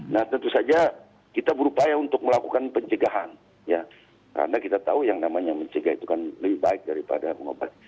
nah tentu saja kita berupaya untuk melakukan pencegahan ya karena kita tahu yang namanya mencegah itu kan lebih baik daripada mengobati